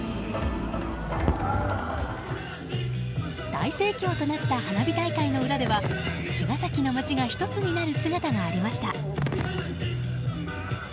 大盛況となった花火大会の裏では茅ヶ崎の街が１つになる姿がありました。